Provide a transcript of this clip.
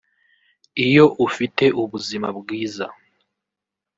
Iyo ufite ubuzima bwiza